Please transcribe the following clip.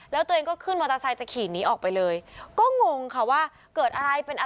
แล้วก็เริ่มมีปากเสียงกันทะเลาะกัน